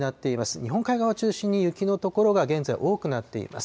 日本海側を中心に雪の所が現在、多くなっています。